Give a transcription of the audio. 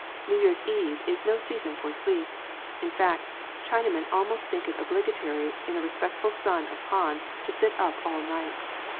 New Year's eve is no season for sleep : in fact, China men almost think it obligatory on a respectable son of Han to sit up all night.